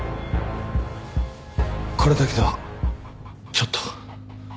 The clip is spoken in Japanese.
これだけではちょっと。